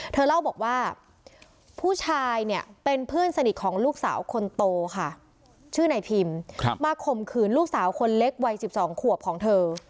เธอเล่าบอกว่าผู้ชายเนี่ยเป็นเพื่อนสนิทของลูกสาวคนโตค่ะชื่อนายพิมมาข่มขืนลูกสาวคนเล็กวัย๑๒ขวบของเธอ